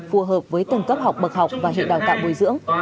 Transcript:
phù hợp với từng cấp học bậc học và hệ đào tạo bồi dưỡng